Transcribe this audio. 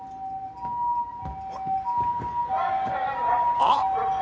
あっ！